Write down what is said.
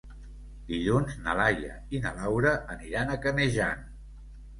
Dilluns na Laia i na Laura aniran a Canejan.